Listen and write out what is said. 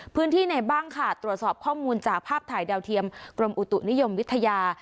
พื้นที่ไหนบ้างค่ะตรวจสอบข้อมูลจากภาพถ่ายดาวเทียมกรมอุตุนิยมวิทยา